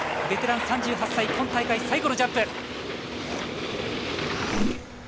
ベテラン、３８歳今大会最後のジャンプ。